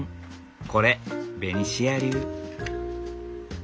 これベニシア流。